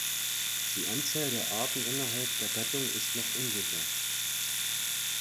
Die Anzahl der Arten innerhalb der Gattung ist noch unsicher.